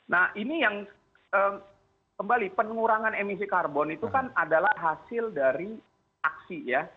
nah ini yang kembali pengurangan emisi karbon itu kan adalah hasil dari aksi ya